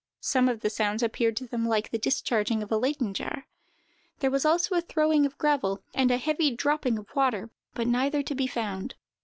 Some of the sounds appeared to them like the discharging of a Leyden jar. There was also a throwing of gravel, and a heavy dropping of water, but neither to be found.